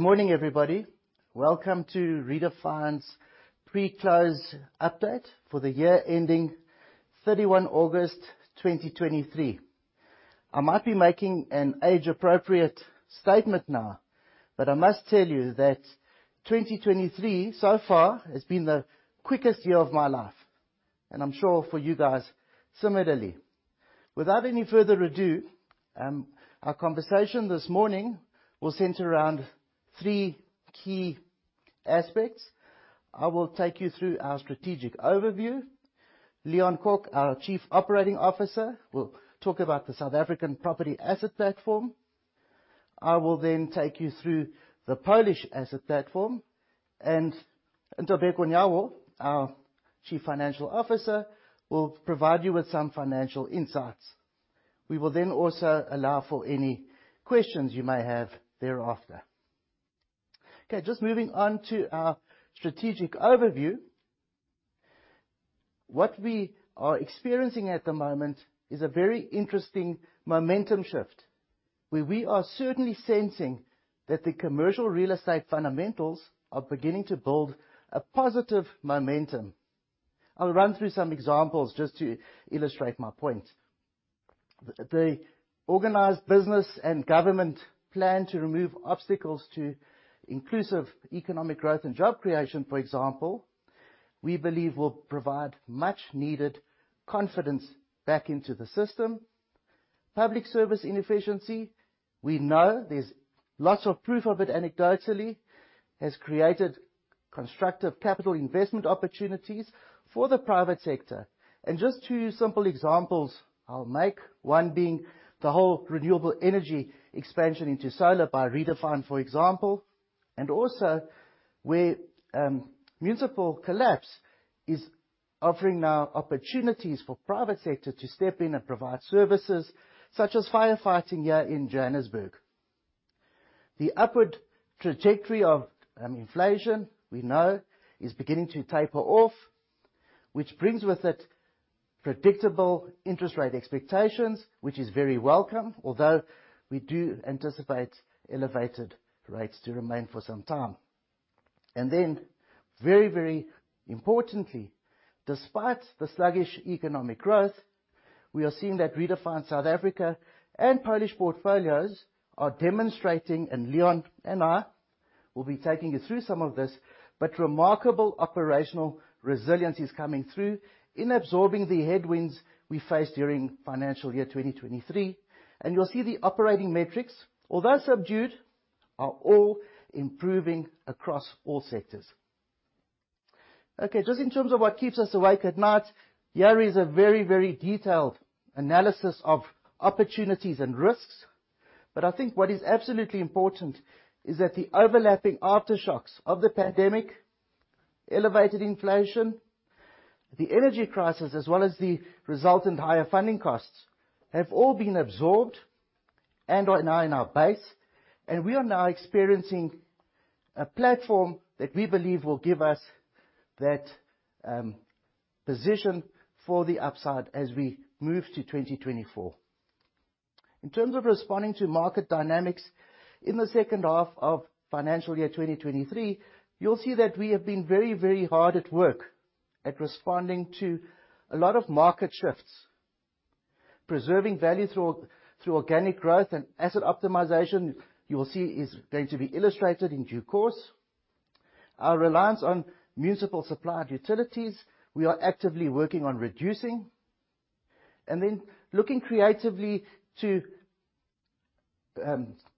Good morning, everybody. Welcome to Redefine's pre-close update for the year ending August 31, 2023. I might be making an age-appropriate statement now, but I must tell you that 2023 so far has been the quickest year of my life. I'm sure for you guys similarly. Without any further ado, our conversation this morning will center around three key aspects. I will take you through our strategic overview. Leon Kok, our Chief Operating Officer, will talk about the South African property asset platform. I will then take you through the Polish asset platform. Ntobeko Nyawo, our Chief Financial Officer, will provide you with some financial insights. We will then also allow for any questions you may have thereafter. Okay, just moving on to our strategic overview. What we are experiencing at the moment is a very interesting momentum shift, where we are certainly sensing that the commercial real estate fundamentals are beginning to build a positive momentum. I'll run through some examples just to illustrate my point. The organized business and government plan to remove obstacles to inclusive economic growth and job creation, for example, we believe will provide much-needed confidence back into the system. Public service inefficiency, we know there's lots of proof of it anecdotally, has created constructive capital investment opportunities for the private sector. Just two simple examples I'll make, one being the whole renewable energy expansion into solar by Redefine, for example. Also where, municipal collapse is offering now opportunities for private sector to step in and provide services such as firefighting here in Johannesburg. The upward trajectory of inflation, we know is beginning to taper off, which brings with it predictable interest rate expectations, which is very welcome, although we do anticipate elevated rates to remain for some time. Then very, very importantly, despite the sluggish economic growth, we are seeing that Redefine South Africa and Polish portfolios are demonstrating, and Leon and I will be taking you through some of this, but remarkable operational resilience is coming through in absorbing the headwinds we faced during financial year 2023. You'll see the operating metrics, although subdued, are all improving across all sectors. Okay, just in terms of what keeps us awake at night, here is a very, very detailed analysis of opportunities and risks. I think what is absolutely important is that the overlapping aftershocks of the pandemic, elevated inflation, the energy crisis, as well as the resultant higher funding costs, have all been absorbed and are now in our base. We are now experiencing a platform that we believe will give us that position for the upside as we move to 2024. In terms of responding to market dynamics in the second half of financial year 2023, you'll see that we have been very, very hard at work at responding to a lot of market shifts. Preserving value through organic growth and asset optimization, you will see, is going to be illustrated in due course. Our reliance on municipal supplied utilities, we are actively working on reducing. Looking creatively to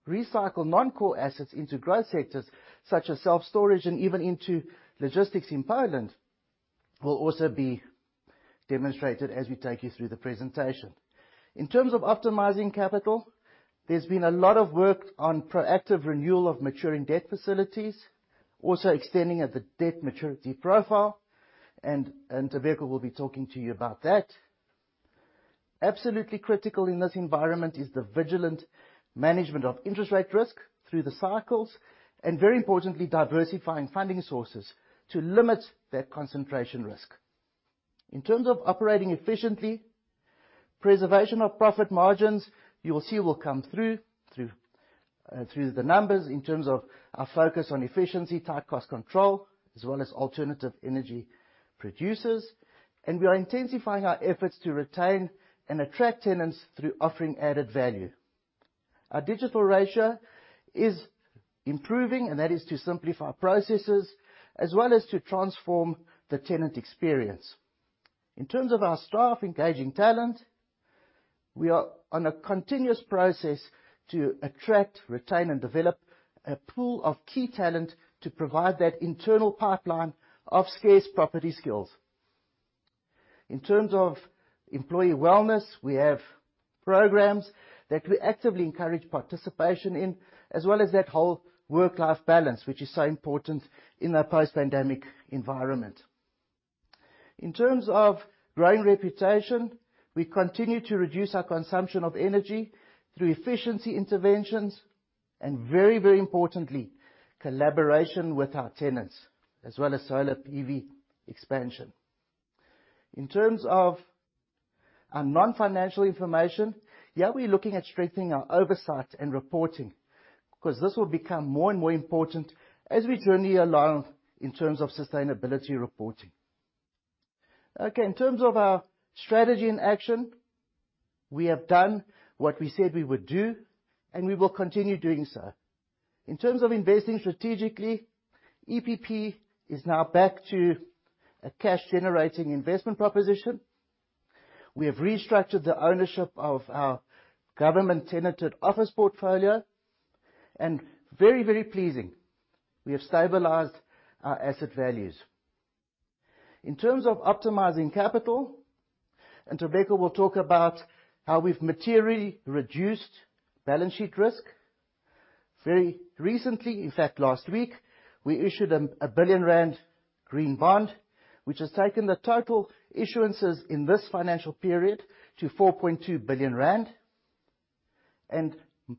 recycle non-core assets into growth sectors such as self-storage and even into logistics in Poland, will also be demonstrated as we take you through the presentation. In terms of optimizing capital, there's been a lot of work on proactive renewal of maturing debt facilities, also extending the debt maturity profile, and Ntobeko will be talking to you about that. Absolutely critical in this environment is the vigilant management of interest rate risk through the cycles, and very importantly, diversifying funding sources to limit that concentration risk. In terms of operating efficiently, preservation of profit margins, you will see, will come through the numbers in terms of our focus on efficiency, tight cost control, as well as alternative energy producers. We are intensifying our efforts to retain and attract tenants through offering added value. Our digital ratio is improving, and that is to simplify our processes as well as to transform the tenant experience. In terms of our staff engaging talent, we are on a continuous process to attract, retain, and develop a pool of key talent to provide that internal pipeline of scarce property skills. In terms of employee wellness, we have programs that we actively encourage participation in, as well as that whole work-life balance, which is so important in a post-pandemic environment. In terms of growing reputation, we continue to reduce our consumption of energy through efficiency interventions and, very, very importantly, collaboration with our tenants as well as solar PV expansion. In terms of our non-financial information, here we're looking at strengthening our oversight and reporting, because this will become more and more important as we journey along in terms of sustainability reporting. Okay, in terms of our strategy in action, we have done what we said we would do, and we will continue doing so. In terms of investing strategically, EPP is now back to a cash-generating investment proposition. We have restructured the ownership of our government-tenanted office portfolio. Very, very pleasing, we have stabilized our asset values. In terms of optimizing capital, and Ntobeko will talk about how we've materially reduced balance sheet risk. Very recently, in fact, last week, we issued 1 billion rand Green Bond, which has taken the total issuances in this financial period to 4.2 billion rand.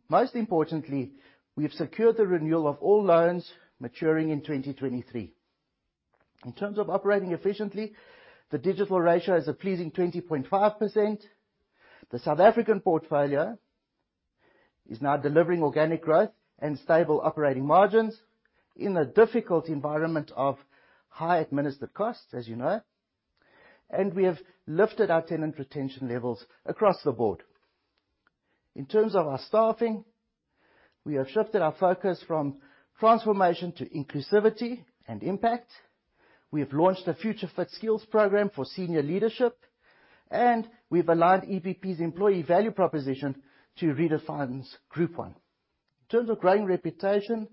Most importantly, we've secured the renewal of all loans maturing in 2023. In terms of operating efficiently, the digital ratio is a pleasing 20.5%. The South African portfolio is now delivering organic growth and stable operating margins in the difficult environment of high administered costs, as you know. We have lifted our tenant retention levels across the board. In terms of our staffing, we have shifted our focus from transformation to inclusivity and impact. We have launched a future fit skills program for senior leadership, and we've aligned EPP's employee value proposition to Redefine's Group one. In terms of growing reputation,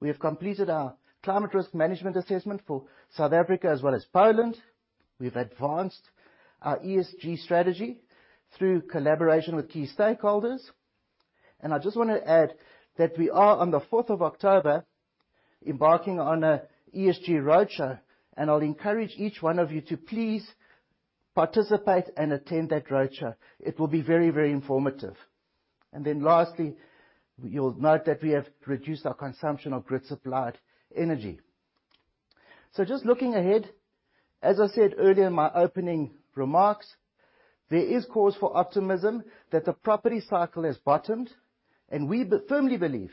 we have completed our climate risk management assessment for South Africa as well as Poland. We've advanced our ESG strategy through collaboration with key stakeholders. I just wanna add that we are, on the October 4th, embarking on a ESG roadshow, and I'll encourage each one of you to please participate and attend that roadshow. It will be very, very informative. Then lastly, you'll note that we have reduced our consumption of grid supplied energy. Just looking ahead, as I said earlier in my opening remarks, there is cause for optimism that the property cycle has bottomed, and we firmly believe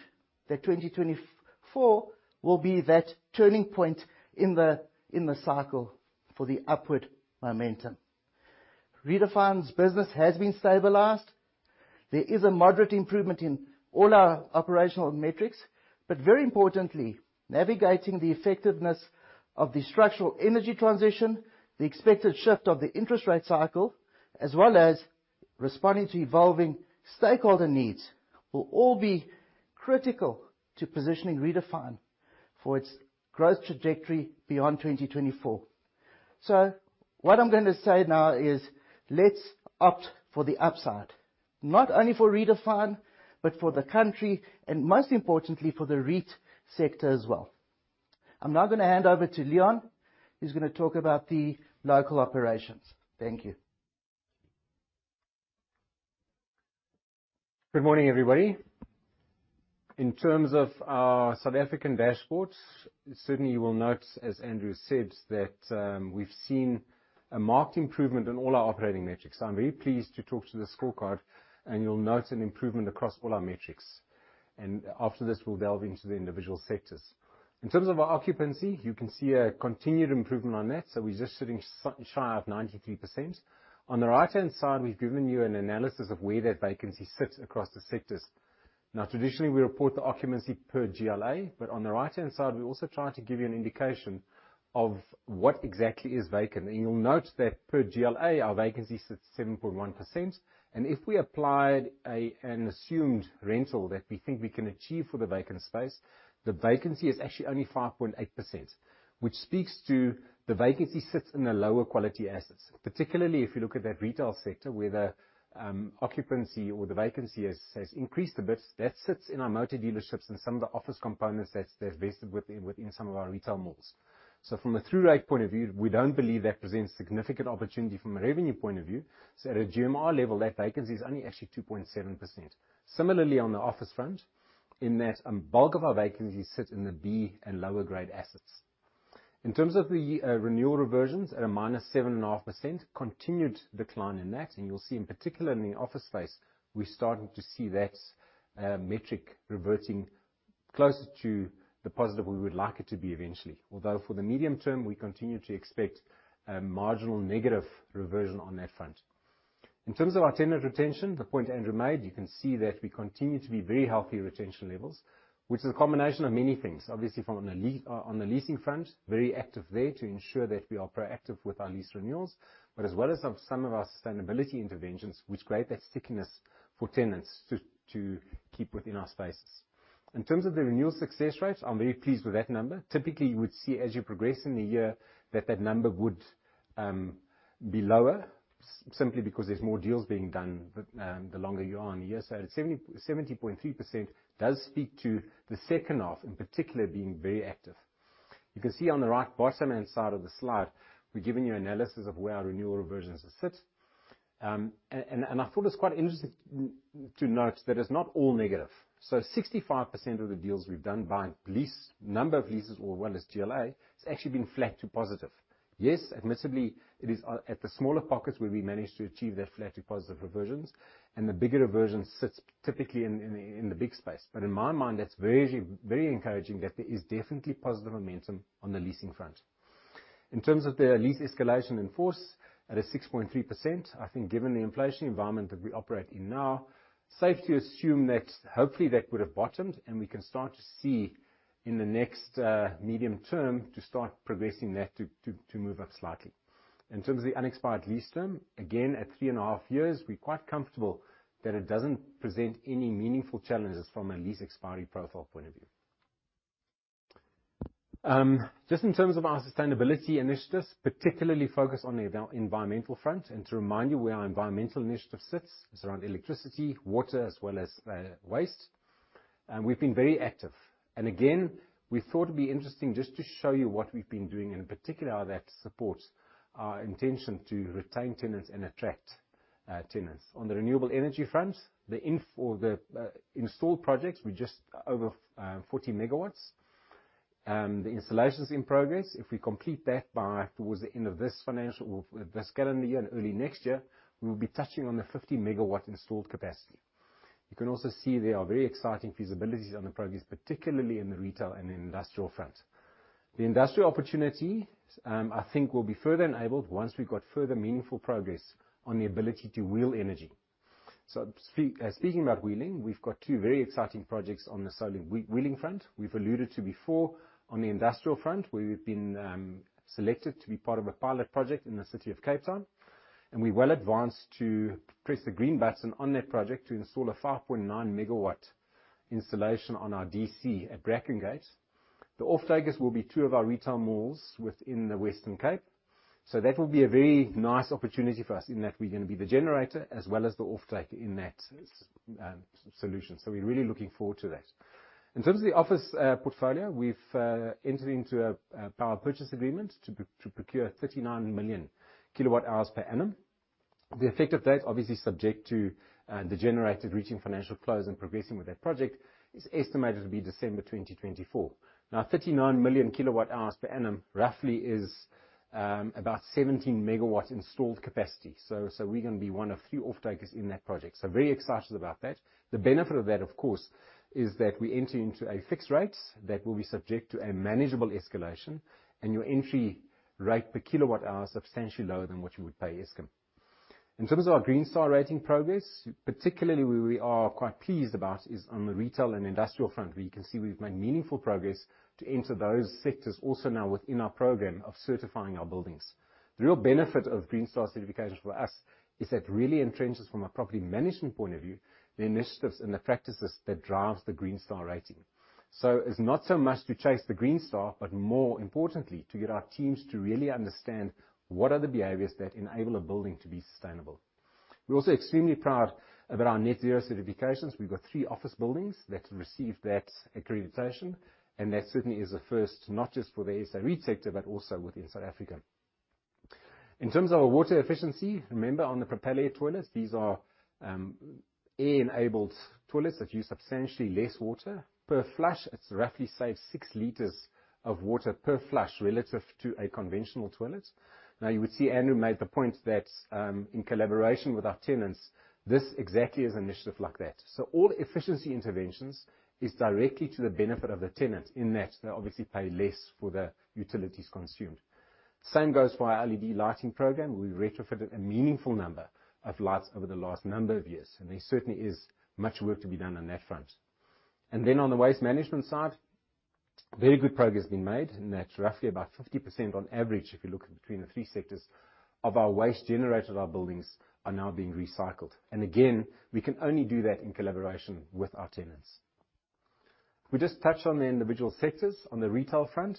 that 2024 will be that turning point in the cycle for the upward momentum. Redefine's business has been stabilized. There is a moderate improvement in all our operational metrics, but very importantly, navigating the effectiveness of the structural energy transition, the expected shift of the interest rate cycle, as well as responding to evolving stakeholder needs, will all be critical to positioning Redefine for its growth trajectory beyond 2024. What I'm gonna say now is let's opt for the upside, not only for Redefine, but for the country, and most importantly, for the REIT sector as well. I'm now gonna hand over to Leon, who's gonna talk about the local operations. Thank you. Good morning, everybody. In terms of our South African dashboards, certainly you will note, as Andrew said, that we've seen a marked improvement in all our operating metrics. I'm very pleased to talk to the scorecard, and you'll note an improvement across all our metrics. After this, we'll delve into the individual sectors. In terms of our occupancy, you can see a continued improvement on that, so we're just sitting shy of 93%. On the right-hand side, we've given you an analysis of where that vacancy sits across the sectors. Now, traditionally, we report the occupancy per GLA, but on the right-hand side, we also try to give you an indication of what exactly is vacant. You'll note that per GLA, our vacancy sits at 7.1%. If we applied an assumed rental that we think we can achieve for the vacant space, the vacancy is actually only 5.8%, which speaks to the vacancy sits in the lower quality assets. Particularly if you look at that retail sector where the occupancy or the vacancy has increased a bit, that sits in our motor dealerships and some of the office components that is vested within some of our retail malls. From a through rate point of view, we don't believe that presents significant opportunity from a revenue point of view. At a GMI level, that vacancy is only actually 2.7%. Similarly, on the office front, a bulk of our vacancies sit in the B and lower grade assets. In terms of the renewal reversions at -7.5%, continued decline in that. You'll see in particular in the office space, we're starting to see that metric reverting closer to the positive we would like it to be eventually. Although for the medium term, we continue to expect a marginal negative reversion on that front. In terms of our tenant retention, the point Andrew made, you can see that we continue to be very healthy retention levels, which is a combination of many things. Obviously from a on the leasing front, very active there to ensure that we are proactive with our lease renewals, but as well as some of our sustainability interventions which create that stickiness for tenants to keep within our spaces. In terms of the renewal success rates, I'm very pleased with that number. Typically, you would see as you progress in the year that number would be lower simply because there's more deals being done the longer you are in the year. 70.3% does speak to the second half, in particular, being very active. You can see on the right bottom-hand side of the slide, we've given you analysis of where our renewal reversions sit. I thought it's quite interesting to note that it's not all negative. 65% of the deals we've done by lease, number of leases or rent as GLA, it's actually been flat to positive. Yes, admittedly, it is at the smaller pockets where we managed to achieve that flat to positive reversions, and the bigger reversions sits typically in the big space. In my mind, that's very, very encouraging that there is definitely positive momentum on the leasing front. In terms of the lease escalation in force at 6.3%, I think given the inflation environment that we operate in now, safe to assume that hopefully that would have bottomed and we can start to see in the next medium term to start progressing that to move up slightly. In terms of the unexpired lease term, again, at 3.5 years, we're quite comfortable that it doesn't present any meaningful challenges from a lease expiry profile point of view. Just in terms of our sustainability initiatives, particularly focused on the environmental front, and to remind you where our environmental initiative sits is around electricity, water, as well as waste. We've been very active. Again, we thought it'd be interesting just to show you what we've been doing, and in particular, how that supports our intention to retain tenants and attract tenants. On the renewable energy front, the installed projects, we're just over 40 MW. The installations in progress, if we complete that by towards the end of this financial or this calendar year and early next year, we'll be touching on the 50 MW installed capacity. You can also see there are very exciting feasibilities under progress, particularly in the retail and industrial front. The industrial opportunity, I think, will be further enabled once we've got further meaningful progress on the ability to wheel energy. Speaking about wheeling, we've got two very exciting projects on the solar wheeling front. We've alluded to before on the industrial front, we've been selected to be part of a pilot project in the City of Cape Town, and we're well advanced to press the green button on that project to install a 5.9 MW installation on our DC at Brackengate. The offtakers will be two of our retail malls within the Western Cape. That will be a very nice opportunity for us in that we're gonna be the generator as well as the offtaker in that solution. We're really looking forward to that. In terms of the office portfolio, we've entered into a power purchase agreement to procure 39 million kWh per annum. The effect of that, obviously subject to the generator reaching financial close and progressing with that project, is estimated to be December 2024. Now, 39 million kWh per annum roughly is about 17 MW installed capacity. We're gonna be one of few offtakers in that project, so very excited about that. The benefit of that, of course, is that we enter into a fixed rate that will be subject to a manageable escalation and your entry rate per kWh is substantially lower than what you would pay Eskom. In terms of our Green Star Rating progress, particularly where we are quite pleased about is on the retail and industrial front, where you can see we've made meaningful progress to enter those sectors also now within our program of certifying our buildings. The real benefit of Green Star certification for us is that it really entrenches from a property management point of view, the initiatives and the practices that drives the Green Star rating. It's not so much to chase the Green Star, but more importantly, to get our teams to really understand what are the behaviors that enable a building to be sustainable. We're also extremely proud about our Net Zero certifications. We've got three office buildings that receive that accreditation, and that certainly is a first, not just for the SA REIT sector, but also within South Africa. In terms of our water efficiency, remember on the Propelair toilets, these are air-enabled toilets that use substantially less water. Per flush, it roughly saves six liters of water per flush relative to a conventional toilet. Now, you would see Andrew made the point that in collaboration with our tenants, this exactly is an initiative like that. All efficiency interventions is directly to the benefit of the tenant in that they obviously pay less for the utilities consumed. Same goes for our LED lighting program. We've retrofitted a meaningful number of lights over the last number of years, and there certainly is much work to be done on that front. Then on the waste management side, very good progress being made, and that's roughly about 50% on average, if you look between the three sectors of our waste generated at our buildings are now being recycled. Again, we can only do that in collaboration with our tenants. We just touched on the individual sectors. On the retail front,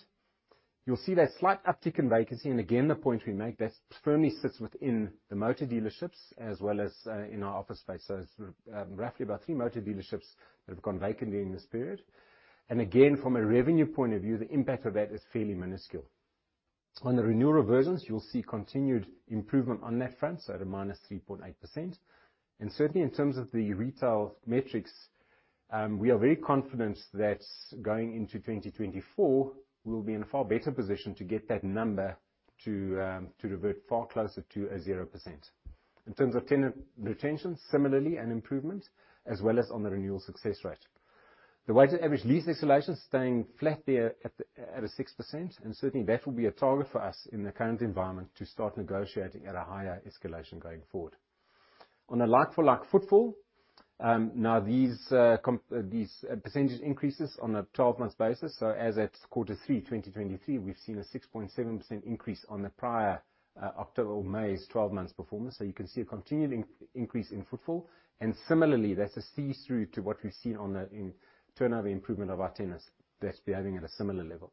you'll see that slight uptick in vacancy, and again, the point we make, that firmly sits within the motor dealerships as well as in our office space. It's roughly about three motor dealerships that have gone vacant during this period. Again, from a revenue point of view, the impact of that is fairly minuscule. On the renewal versions, you'll see continued improvement on that front, so at a -3.8%. Certainly in terms of the retail metrics, we are very confident that going into 2024, we'll be in a far better position to get that number to revert far closer to a 0%. In terms of tenant retention, similarly an improvement, as well as on the renewal success rate. The weighted average lease escalation is staying flat there at a 6%, and certainly that will be a target for us in the current environment to start negotiating at a higher escalation going forward. On a like-for-like footfall, these percentage increases on a 12-month basis. As at Q3, 2023, we've seen a 6.7% increase on the prior October or May's twelve months performance. You can see a continuing increase in footfall. Similarly, that's a flow-through to what we've seen on the income turnover improvement of our tenants. That's behaving at a similar level.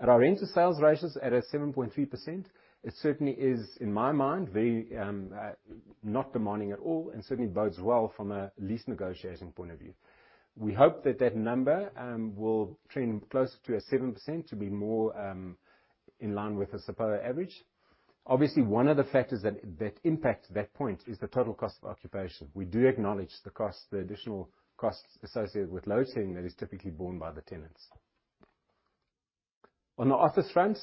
At our rental sales ratios at a 7.3%, it certainly is, in my mind, very not demanding at all, and certainly bodes well from a lease negotiation point of view. We hope that that number will trend closer to a 7% to be more in line with the SAII average. Obviously, one of the factors that impact that point is the total cost of occupation. We do acknowledge the cost, the additional costs associated with load shedding that is typically borne by the tenants. On the office front,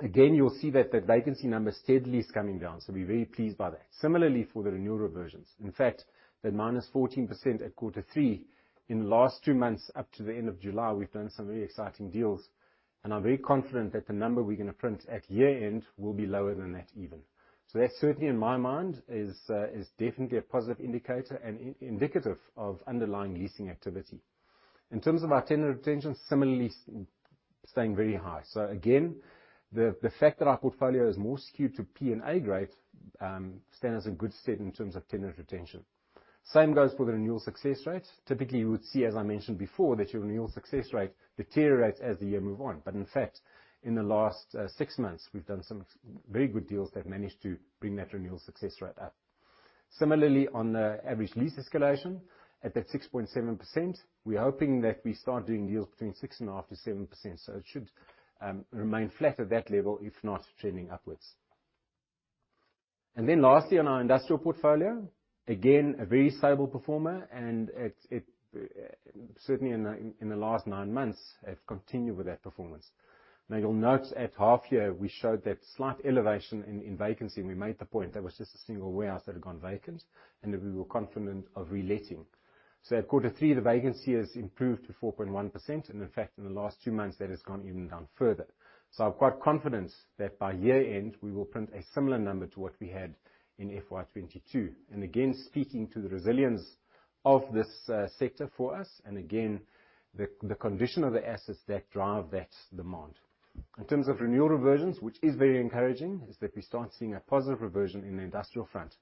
again, you'll see that the vacancy numbers steadily is coming down, so we're very pleased by that. Similarly, for the renewal reversions. In fact, the -14% at Q3, in the last two months up to the end of July, we've done some really exciting deals. I'm very confident that the number we're gonna print at year-end will be lower than that even. That certainly, in my mind, is definitely a positive indicator and indicative of underlying leasing activity. In terms of our tenant retention, similarly staying very high. Again, the fact that our portfolio is more skewed to P- and A-grade stands in good stead in terms of tenant retention. Same goes for the renewal success rates. Typically, you would see, as I mentioned before, that your renewal success rate deteriorates as the year move on. In fact, in the last six months, we've done some very good deals that managed to bring that renewal success rate up. Similarly, on the average lease escalation at that 6.7%, we're hoping that we start doing deals between 6.5%-7%. It should remain flat at that level, if not trending upwards. Lastly, on our industrial portfolio, again, a very stable performer. It's certainly in the last nine months have continued with that performance. You'll note at half year we showed that slight elevation in vacancy, and we made the point that was just a single warehouse that had gone vacant, and that we were confident of reletting. At Q3, the vacancy has improved to 4.1%. In fact, in the last two months, that has gone even down further. I'm quite confident that by year end we will print a similar number to what we had in FY 2022. Again, speaking to the resilience of this sector for us, and again, the condition of the assets that drive that demand. In terms of renewal reversions, which is very encouraging, is that we start seeing a positive reversion in the industrial front.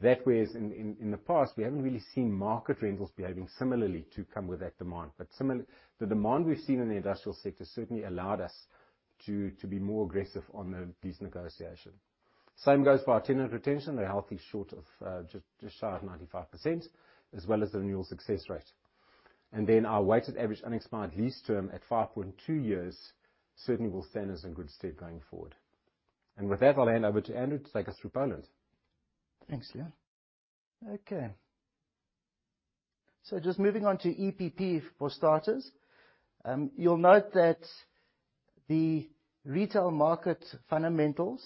That whereas in the past, we haven't really seen market rentals behaving similarly to come with that demand. The demand we've seen in the industrial sector certainly allowed us to be more aggressive on the lease negotiation. Same goes for our tenant retention, a healthy short of just shy of 95%, as well as the renewal success rate. Our weighted average unexpired lease term at 5.2 years certainly will stand us in good stead going forward. With that, I'll hand over to Andrew to take us through Poland. Thanks, Leon. Okay. Just moving on to EPP for starters. You'll note that the retail market fundamentals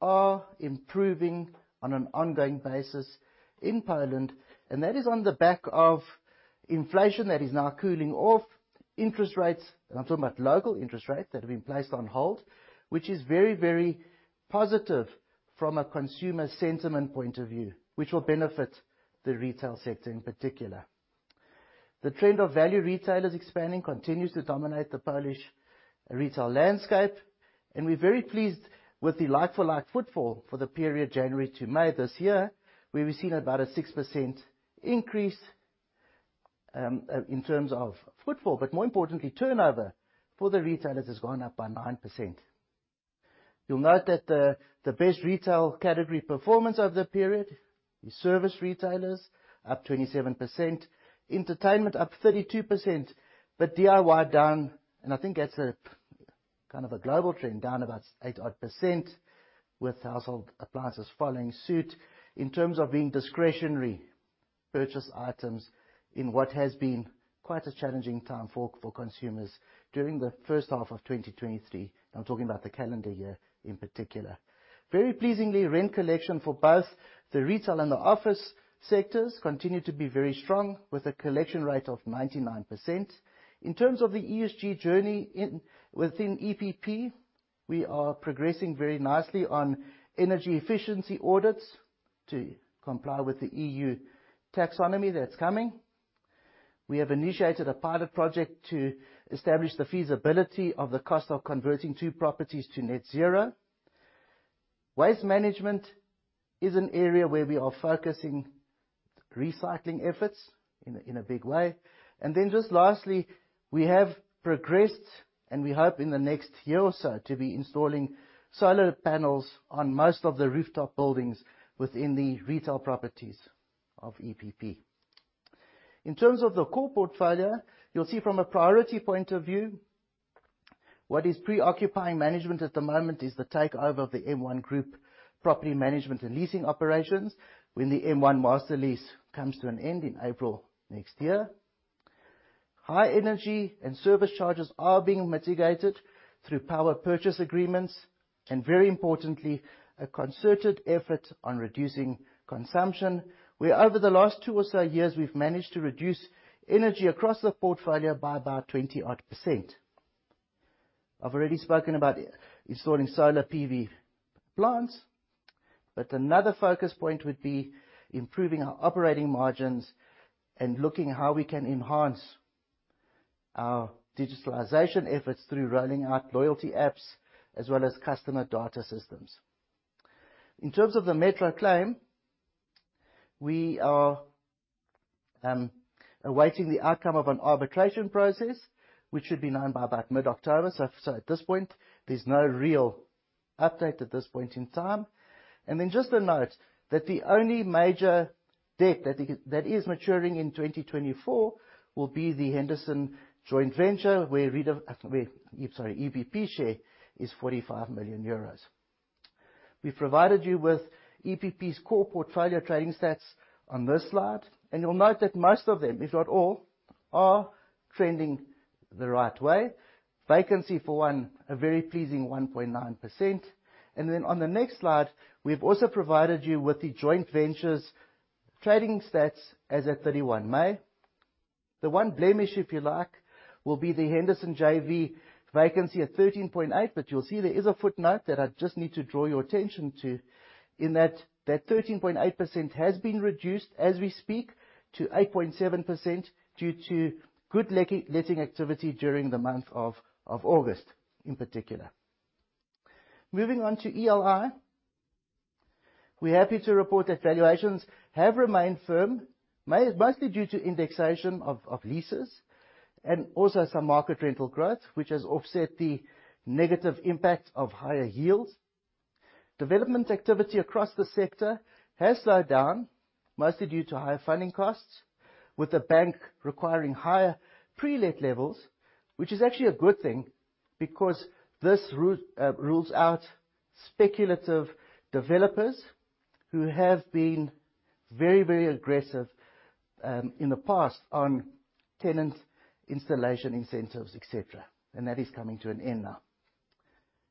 are improving on an ongoing basis in Poland, and that is on the back of inflation that is now cooling off. Interest rates, and I'm talking about local interest rates, that have been placed on hold, which is very, very positive from a consumer sentiment point of view, which will benefit the retail sector in particular. The trend of value retailers expanding continues to dominate the Polish retail landscape, and we're very pleased with the like-for-like footfall for the period January to May this year, where we've seen about a 6% increase in terms of footfall. More importantly, turnover for the retailers has gone up by 9%. You'll note that the best retail category performance of the period is service retailers up 27%, entertainment up 32%, but DIY down, and I think that's a kind of a global trend, down about eight odd percent, with household appliances following suit. In terms of being discretionary purchase items in what has been quite a challenging time for consumers during the first half of 2023, I'm talking about the calendar year in particular. Very pleasingly, rent collection for both the retail and the office sectors continued to be very strong, with a collection rate of 99%. In terms of the ESG journey within EPP, we are progressing very nicely on energy efficiency audits to comply with the EU taxonomy that's coming. We have initiated a pilot project to establish the feasibility of the cost of converting two properties to Net Zero. Waste management is an area where we are focusing recycling efforts in a big way. Just lastly, we have progressed, and we hope in the next year or so to be installing solar panels on most of the rooftop buildings within the retail properties of EPP. In terms of the core portfolio, you'll see from a priority point of view, what is preoccupying management at the moment is the takeover of the M1 Group property management and leasing operations when the M1 master lease comes to an end in April next year. High energy and service charges are being mitigated through power purchase agreements and very importantly, a concerted effort on reducing consumption, where over the last two or so years, we've managed to reduce energy across the portfolio by about 20-odd%. I've already spoken about installing solar PV plants, but another focus point would be improving our operating margins and looking how we can enhance our digitalization efforts through rolling out loyalty apps as well as customer data systems. In terms of the Metro claim, we are awaiting the outcome of an arbitration process, which should be known by about mid-October. At this point, there's no real update at this point in time. Just a note that the only major debt that is maturing in 2024 will be the Henderson joint venture, where EPP share is 45 million euros. We've provided you with EPP's core portfolio trading stats on this slide, and you'll note that most of them, if not all, are trending the right way. Vacancy, for one, a very pleasing 1.9%. Then on the next slide, we've also provided you with the joint venture's trading stats as at 31 May. The one blemish, if you like, will be the Henderson JV vacancy at 13.8. You'll see there is a footnote that I just need to draw your attention to in that thirteen point eight percent has been reduced, as we speak, to 8.7% due to good letting activity during the month of August, in particular. Moving on to ELI. We're happy to report that valuations have remained firm, mostly due to indexation of leases and also some market rental growth, which has offset the negative impact of higher yields. Development activity across the sector has slowed down, mostly due to higher funding costs, with the bank requiring higher pre-let levels. Which is actually a good thing, because this roots out speculative developers who have been very, very aggressive in the past on tenant installation incentives, et cetera. That is coming to an end now.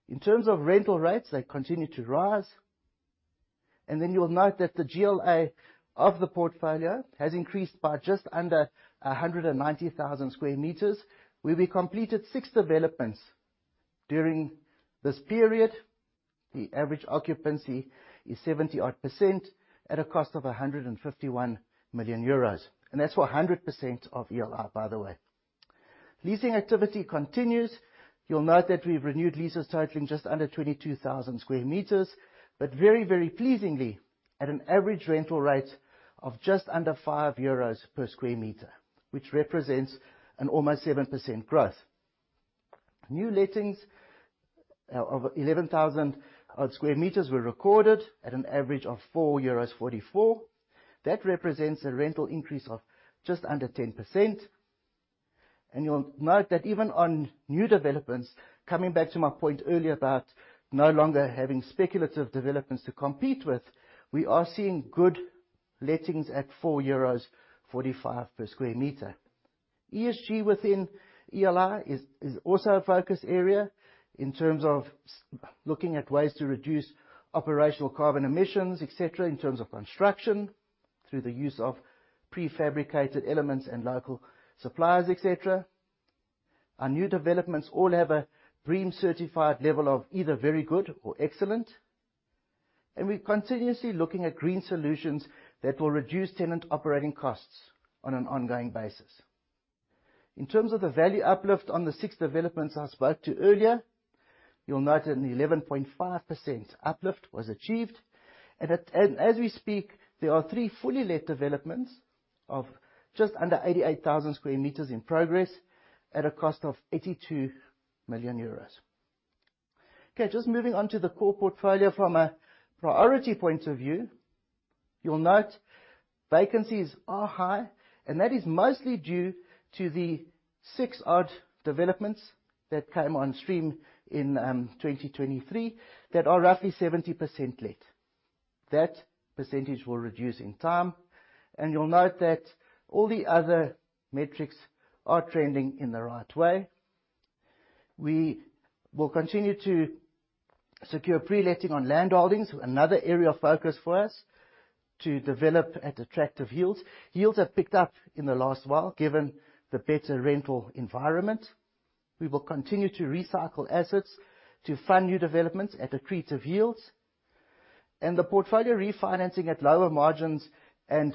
In terms of rental rates, they continue to rise. Then you'll note that the GLA of the portfolio has increased by just under 190,000 sq m, where we completed six developments during this period. The average occupancy is 70-odd% at a cost of 151 million euros, and that's for 100% of ELI, by the way. Leasing activity continues. You'll note that we've renewed leases totaling just under 22,000 square meter, but very, very pleasingly at an average rental rate of just under 5 euros per square meter, which represents an almost 7% growth. New lettings of 11,000-odd sq m were recorded at an average of 4.44 euros. That represents a rental increase of just under 10%. You'll note that even on new developments, coming back to my point earlier about no longer having speculative developments to compete with, we are seeing good lettings at 4.45 euros per sq m. ESG within ELI is also a focus area in terms of looking at ways to reduce operational carbon emissions, et cetera, in terms of construction through the use of prefabricated elements and local suppliers, et cetera. Our new developments all have a BREEAM certified level of either very good or excellent. We're continuously looking at green solutions that will reduce tenant operating costs on an ongoing basis. In terms of the value uplift on the six developments I spoke to earlier, you'll note an 11.5% uplift was achieved. As we speak, there are three fully let developments of just under 88,000 sq m in progress at a cost of 82 million euros. Okay, just moving on to the core portfolio from a priority point of view. You'll note vacancies are high, and that is mostly due to the six odd developments that came on stream in 2023 that are roughly 70% let. That percentage will reduce in time, and you'll note that all the other metrics are trending in the right way. We will continue to secure pre-letting on land holdings, another area of focus for us to develop at attractive yields. Yields have picked up in the last while, given the better rental environment. We will continue to recycle assets to fund new developments at accretive yields. The portfolio refinancing at lower margins and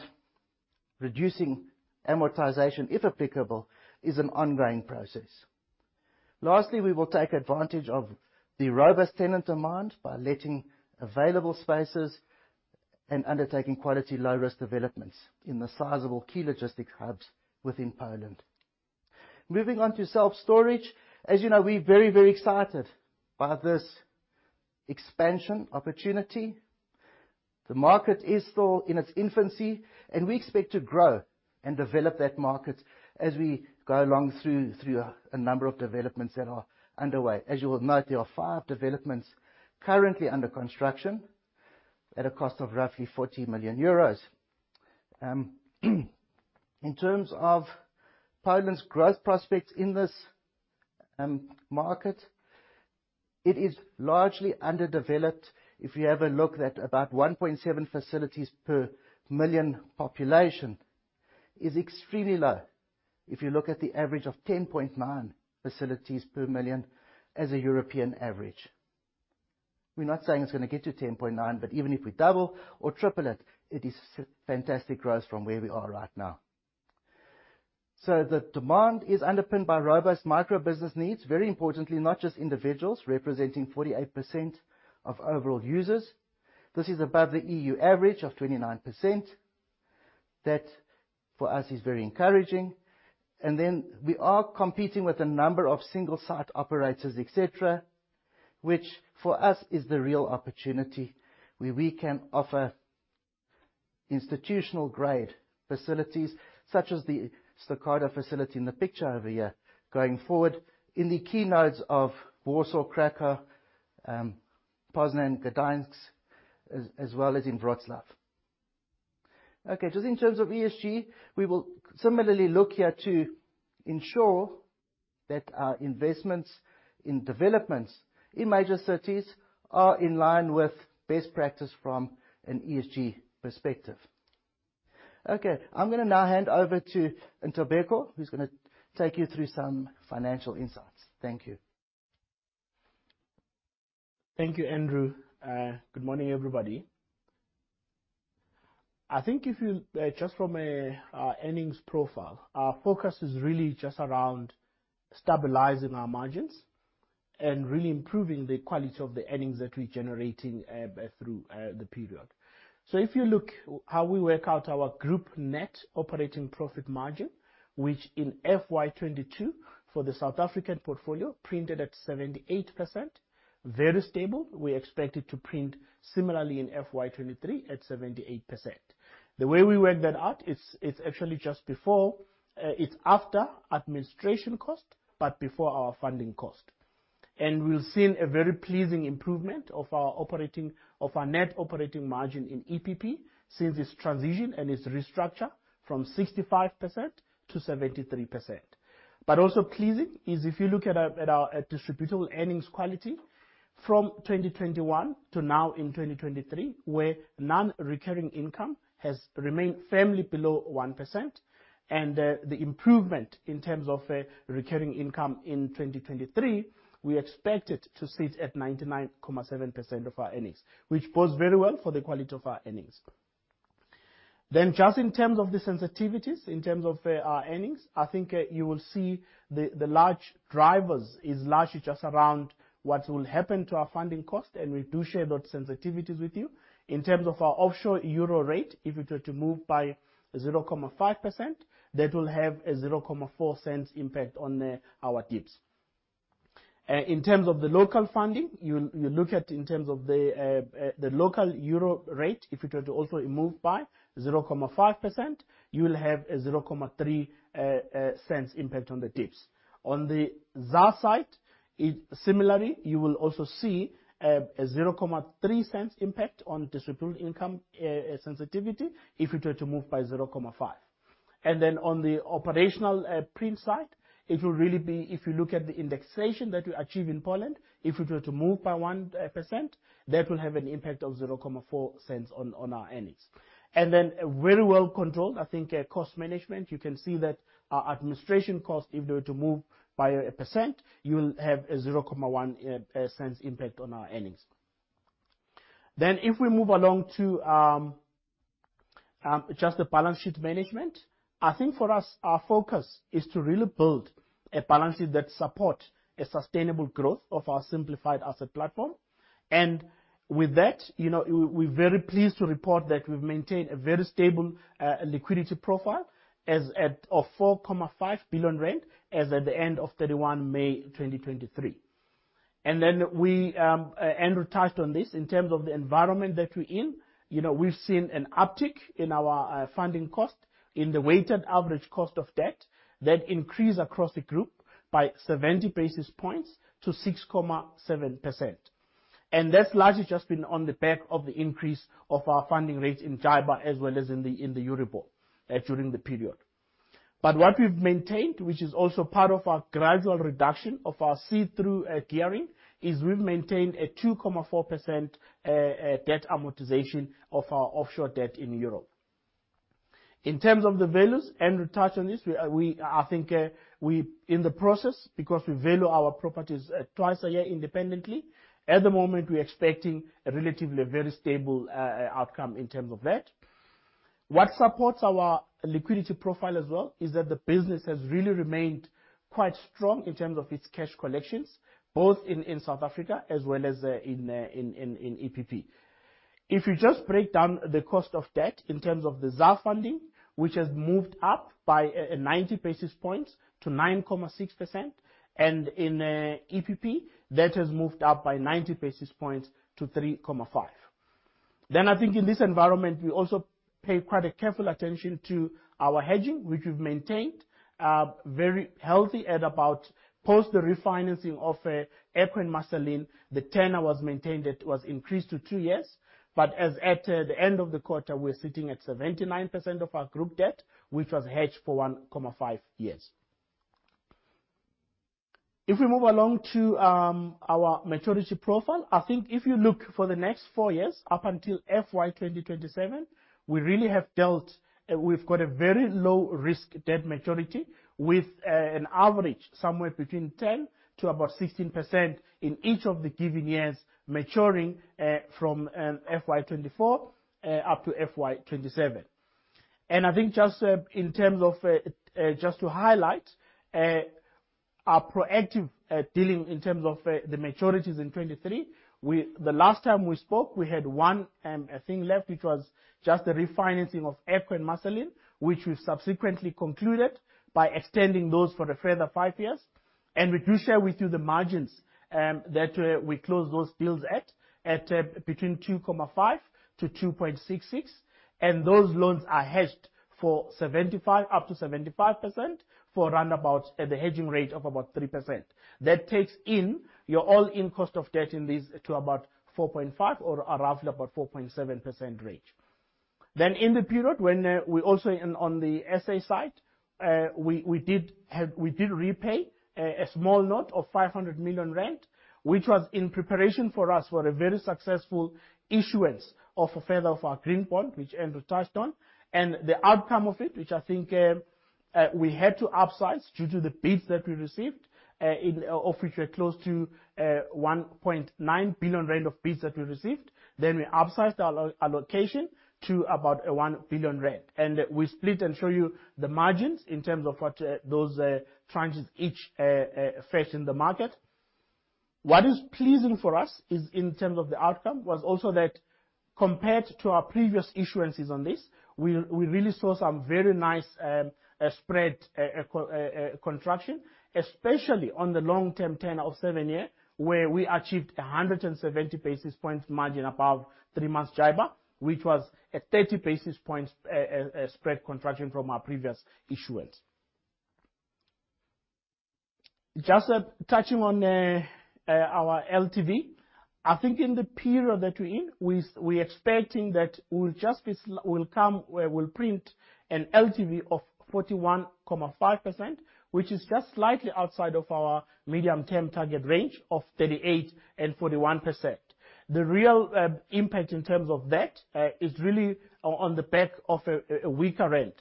reducing amortization, if applicable, is an ongoing process. Lastly, we will take advantage of the robust tenant demand by letting available spaces and undertaking quality low-risk developments in the sizable key logistics hubs within Poland. Moving on to self-storage. As you know, we're very, very excited by this expansion opportunity. The market is still in its infancy, and we expect to grow and develop that market as we go along through a number of developments that are underway. As you will note, there are five developments currently under construction at a cost of roughly 40 million euros. In terms of Poland's growth prospects in this market, it is largely underdeveloped. If you have a look at about 1.7 facilities per million population is extremely low, if you look at the average of 10.9 facilities per million as a European average. We're not saying it's gonna get to 10.9, but even if we double or triple it is fantastic growth from where we are right now. So the demand is underpinned by robust micro-business needs, very importantly, not just individuals representing 48% of overall users. This is above the EU average of 29%. That, for us, is very encouraging. We are competing with a number of single site operators, et cetera, which for us is the real opportunity, where we can offer institutional grade facilities such as the Stokado facility in the picture over here going forward in the key nodes of Warsaw, Kraków, Poznań, Gdańsk, as well as in Wrocław. Okay, just in terms of ESG, we will similarly look here to ensure that our investments in developments in major cities are in line with best practice from an ESG perspective. Okay, I'm gonna now hand over to Ntobeko Nyawo, who's gonna take you through some financial insights. Thank you. Thank you, Andrew. Good morning, everybody. I think if you just from our earnings profile, our focus is really just around stabilizing our margins and really improving the quality of the earnings that we're generating through the period. If you look how we work out our group net operating profit margin, which in FY 2022 for the South African portfolio printed at 78%, very stable. We expect it to print similarly in FY 2023 at 78%. The way we work that out, it's actually just before, it's after administration cost, but before our funding cost. We've seen a very pleasing improvement of our net operating margin in EPP since its transition and its restructure from 65% to 73%. Also pleasing is if you look at our distributable earnings quality from 2021 to now in 2023, where non-recurring income has remained firmly below 1%, and the improvement in terms of recurring income in 2023, we expect it to sit at 99.7% of our earnings, which bodes very well for the quality of our earnings. Just in terms of the sensitivities, in terms of our earnings, I think you will see the large drivers is largely just around what will happen to our funding cost, and we do share those sensitivities with you. In terms of our offshore euro rate, if it were to move by 0.5%, that will have a 0.004 impact on our DIPS. In terms of the local funding, you look at in terms of the local euro rate, if it were to also move by 0.5%, you will have a 0.3 cents impact on the DIPS. On the ZAR side, it similarly, you will also see a 0.3 cents impact on distributable income sensitivity if it were to move by 0.5. Then on the operational rent side, it will really be if you look at the indexation that we achieve in Poland, if it were to move by 1%, that will have an impact of 0.4 cents on our earnings. Very well controlled, I think, cost management. You can see that our administration cost, if they were to move by 1%, you will have a 0.1 cents impact on our earnings. If we move along to just the balance sheet management, I think for us, our focus is to really build a balance sheet that supports a sustainable growth of our simplified asset platform. With that, you know, we're very pleased to report that we've maintained a very stable liquidity profile as at 4.5 billion rand as at the end of May 31, 2023. Andrew touched on this in terms of the environment that we're in. You know, we've seen an uptick in our funding cost in the weighted average cost of debt. That increased across the group by 70 basis points to 6.7%. That's largely just been on the back of the increase of our funding rates in JIBAR as well as in the EURIBOR during the period. What we've maintained, which is also part of our gradual reduction of our see-through gearing, is we've maintained a 2.4% debt amortization of our offshore debt in Europe. In terms of the values, Andrew touched on this. I think, we're in the process because we value our properties twice a year independently. At the moment, we're expecting a relatively very stable outcome in terms of that. What supports our liquidity profile as well is that the business has really remained quite strong in terms of its cash collections, both in South Africa as well as in EPP. If you just break down the cost of debt in terms of the ZAR funding, which has moved up by ninety basis points to 9.6%, and in EPP, that has moved up by ninety basis points to 3.5%. I think in this environment, we also pay quite a careful attention to our hedging, which we've maintained very healthy at about post the refinancing of Echo Marcelińska, the tenor was maintained. It was increased to two years. But as at the end of the quarter, we're sitting at 79% of our group debt, which was hedged for 1.5 years. If we move along to our maturity profile, I think if you look for the next four years up until FY 2027, we've got a very low risk debt maturity with an average somewhere between 10% to about 16% in each of the given years maturing from FY 2024 up to FY 2027. I think just in terms of just to highlight our proactive dealing in terms of the maturities in 2023, the last time we spoke, we had one thing left, which was just the refinancing of Acorn Massalin, which we subsequently concluded by extending those for a further five years. We do share with you the margins that we closed those deals at between 2.5% to 2.66%. Those loans are hedged for 75, up to 75% for around about the hedging rate of about 3%. That takes in your all-in cost of debt in these to about 4.5 or roughly about 4.7% range. In the period when we also on the SA side, we did repay a small note of 500 million rand, which was in preparation for a very successful issuance of a further of our Green Bond, which Andrew touched on. The outcome of it, which I think we had to upsize due to the bids that we received, of which were close to 1.9 billion rand of bids that we received. We upsized our allocation to about 1 billion rand. We split and show you the margins in terms of what those tranches each fetched in the market. What is pleasing for us is in terms of the outcome, was also that compared to our previous issuances on this, we really saw some very nice spread contraction, especially on the long-term tenor of seven-year, where we achieved 170 basis points margin above three-month JIBAR, which was a 30 basis points spread contraction from our previous issuance. Just touching on our LTV, I think in the period that we're in, we're expecting that we'll come, we'll print an LTV of 41.5%, which is just slightly outside of our medium-term target range of 38%-41%. The real impact in terms of debt is really on the back of a weaker rand.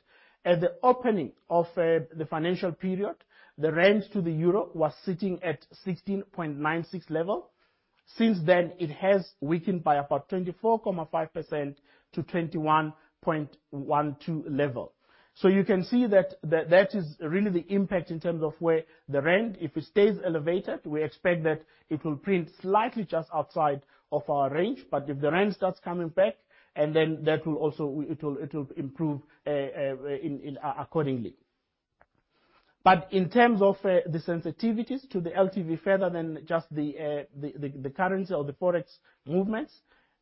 At the opening of the financial period, the rand to the euro was sitting at 16.96 level. Since then, it has weakened by about 24.5% to 21.12 level. You can see that is really the impact in terms of where the rand, if it stays elevated, we expect that it will print slightly just outside of our range. If the rand starts coming back, that will also improve accordingly. In terms of the sensitivities to the LTV further than just the currency or the Forex movements,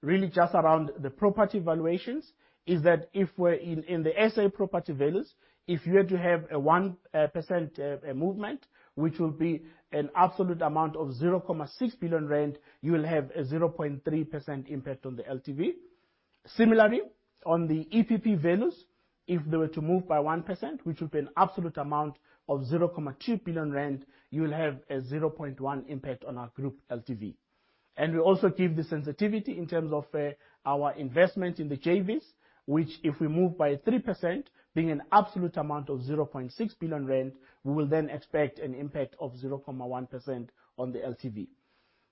really just around the property valuations, is that if we're in the SA property values, if you were to have a 1% movement, which will be an absolute amount of 0.6 billion rand, you will have a 0.3% impact on the LTV. Similarly, on the EPP values, if they were to move by 1%, which would be an absolute amount of 0.2 billion rand, you will have a 0.1% impact on our group LTV. We also give the sensitivity in terms of our investment in the JVs, which if we move by 3%, being an absolute amount of 0.6 billion rand, we will then expect an impact of 0.1% on the LTV.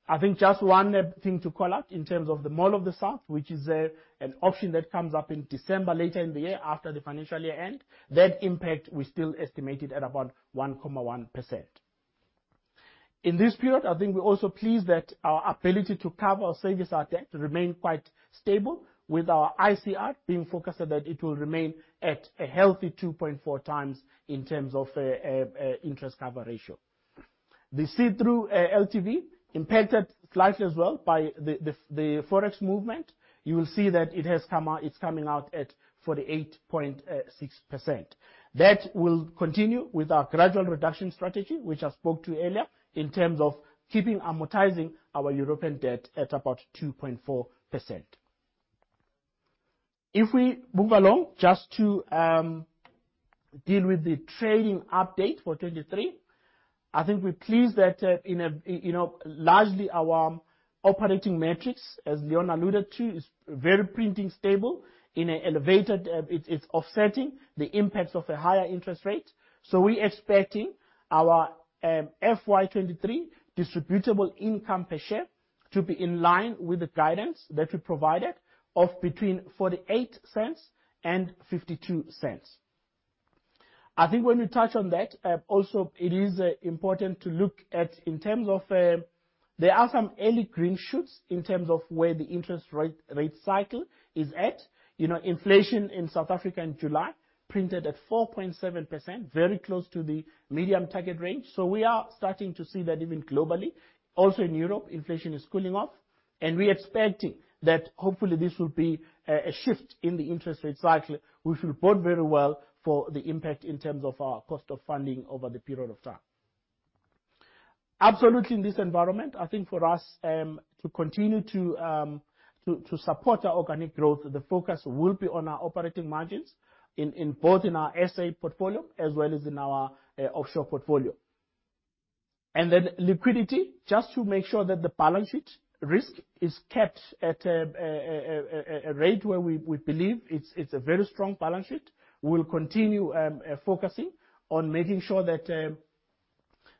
I think just one thing to call out in terms of the Mall of the South, which is an option that comes up in December, later in the year after the financial year end, that impact we still estimated at about 1.1%. In this period, I think we're also pleased that our ability to cover our debt service remained quite stable with our ICR being forecast to remain at a healthy 2.4x in terms of interest cover ratio. The see-through LTV impacted slightly as well by the Forex movement. You will see that it has come out, it's coming out at 48.6%. That will continue with our gradual reduction strategy, which I spoke to earlier, in terms of keeping amortizing our European debt at about 2.4%. If we move along just to deal with the trading update for 2023, I think we're pleased that, you know, largely our operating metrics, as Leon alluded to, is very pretty stable in an elevated. It's offsetting the impacts of the higher interest rate. We're expecting our FY 2023 distributable income per share to be in line with the guidance that we provided of between 0.48 and 0.52. I think when we touch on that, also it is important to look at in terms of, there are some early green shoots in terms of where the interest rate cycle is at. You know, inflation in South Africa in July printed at 4.7%, very close to the medium target range. We are starting to see that even globally. Also in Europe, inflation is cooling off, and we're expecting that hopefully this will be a shift in the interest rate cycle, which will bode very well for the impact in terms of our cost of funding over the period of time. Absolutely, in this environment, I think for us to continue to support our organic growth, the focus will be on our operating margins in both our SA portfolio as well as in our offshore portfolio. Then liquidity, just to make sure that the balance sheet risk is kept at a rate where we believe it's a very strong balance sheet. We'll continue focusing on making sure that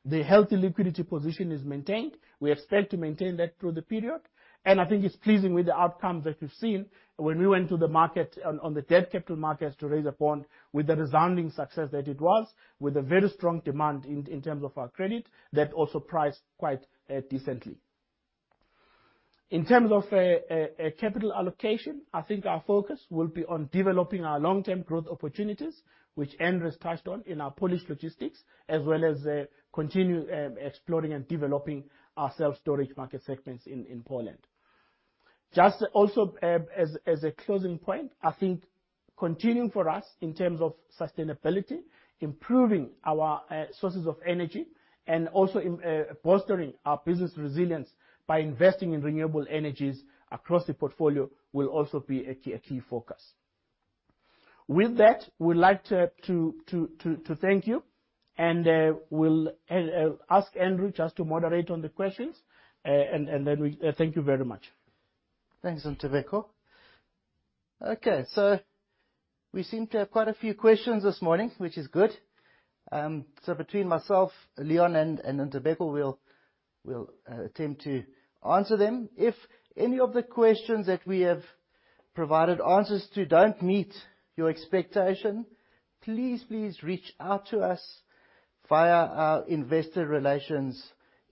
the healthy liquidity position is maintained. We expect to maintain that through the period, and I think it's pleasing with the outcomes that we've seen when we went to the market on the debt capital markets to raise a bond with the resounding success that it was, with a very strong demand in terms of our credit that also priced quite decently. In terms of capital allocation, I think our focus will be on developing our long-term growth opportunities, which Andrew's touched on in our Polish logistics, as well as exploring and developing our self-storage market segments in Poland. Just also as a closing point, I think continuing for us in terms of sustainability, improving our sources of energy, and also bolstering our business resilience by investing in renewable energies across the portfolio will also be a key focus. With that, we'd like to thank you, and we'll ask Andrew just to moderate on the questions. And then we thank you very much. Thanks, Ntobeko. Okay, we seem to have quite a few questions this morning, which is good. Between myself, Leon, and Ntobeko, we'll attempt to answer them. If any of the questions that we have provided answers to don't meet your expectation, please reach out to us via our investor relations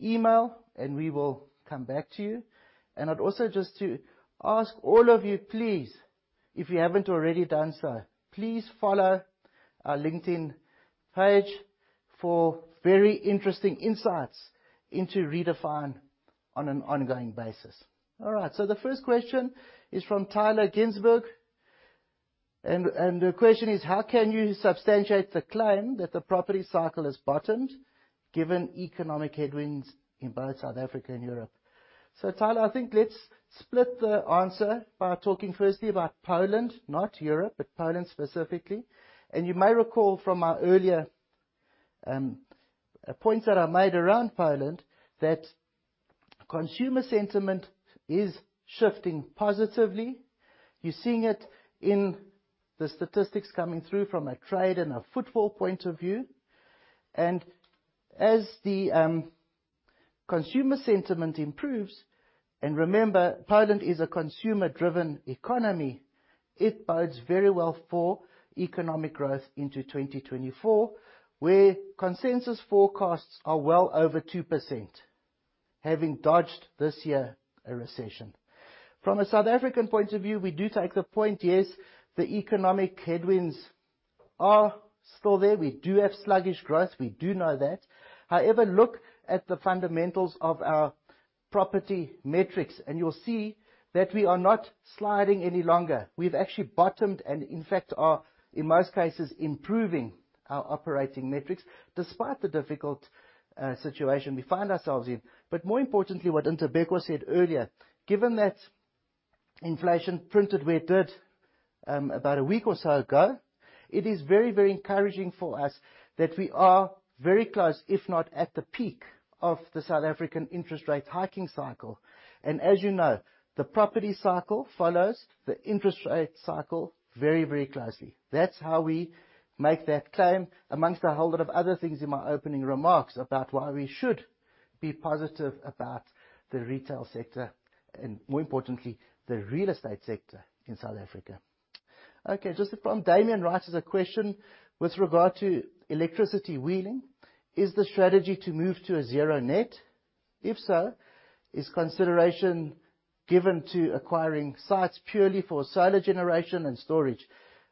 email, and we will come back to you. I'd also like to ask all of you, please, if you haven't already done so, please follow our LinkedIn page for very interesting insights into Redefine on an ongoing basis. All right, the first question is from Tyler Ginsburg. The question is: How can you substantiate the claim that the property cycle has bottomed given economic headwinds in both South Africa and Europe? Tyler, I think let's split the answer by talking firstly about Poland, not Europe, but Poland specifically. You may recall from our earlier points that I made around Poland that consumer sentiment is shifting positively. You're seeing it in the statistics coming through from a trade and a footfall point of view. As the consumer sentiment improves, and remember, Poland is a consumer-driven economy, it bodes very well for economic growth into 2024, where consensus forecasts are well over 2%, having dodged, this year, a recession. From a South African point of view, we do take the point, yes, the economic headwinds are still there. We do have sluggish growth. We do know that. However, look at the fundamentals of our property metrics, and you'll see that we are not sliding any longer. We've actually bottomed and, in fact, are, in most cases, improving our operating metrics, despite the difficult situation we find ourselves in. More importantly, what Ntobeko said earlier, given that inflation printed where it did, about a week or so ago, it is very, very encouraging for us that we are very close, if not at the peak of the South African interest rate hiking cycle. As you know, the property cycle follows the interest rate cycle very, very closely. That's how we make that claim amongst a whole lot of other things in my opening remarks about why we should be positive about the retail sector and, more importantly, the real estate sector in South Africa. Okay, just upon, Damian raises a question with regard to electricity wheeling. Is the strategy to move to a zero net? If so, is consideration given to acquiring sites purely for solar generation and storage?